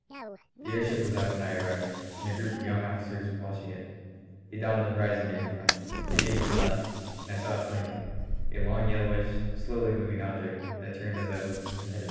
The airship was out when I arrived, and a group of young officers was watching it, a dot on the horizon near the front. They gave me the glasses, and I saw it plainly a long, yellowish, slowly moving object that turned as I looked and headed back for the station.